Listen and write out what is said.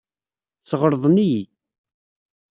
Sɣelḍen-iyi.